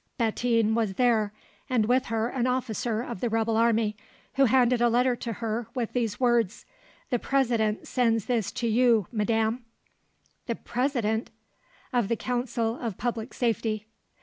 Bettine was there, and with her an officer of the rebel army, who handed a letter to her with these words: "The President sends this to you, Madam." "The President!" "Of the Council of Public Safety."